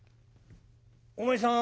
「お前さん